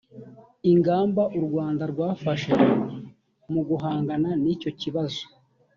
ingamba u rwanda rwafashe mu guhangana nicyo kibazo